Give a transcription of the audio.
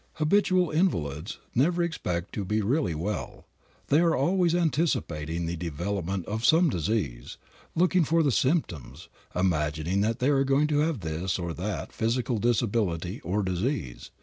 Habitual invalids never expect to be really well. They are always anticipating the development of some disease, looking for the symptoms, imagining that they are going to have this or that physical disability or disease.